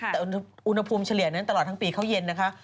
แต่อุณหภูมิเฉลี่ยนั้นตลอดทั้งปีเขาเย็นนะคะ